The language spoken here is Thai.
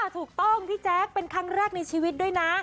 ถูกต้องพี่แจ๊คเป็นครั้งแรกในชีวิตด้วยนะ